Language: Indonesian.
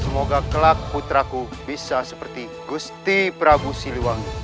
semoga kelak putraku bisa seperti gusti prabu siliwangi